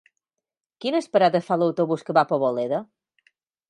Quines parades fa l'autobús que va a Poboleda?